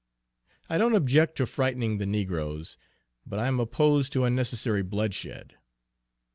I don't object to frightening the negroes, but I am opposed to unnecessary bloodshed."